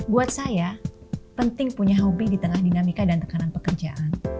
buat saya penting punya hobi di tengah dinamika dan tekanan pekerjaan